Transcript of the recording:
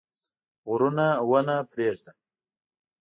غرونه ونه پرېږده.